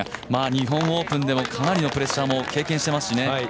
日本オープンでのかなりのプレッシャーも経験していますし。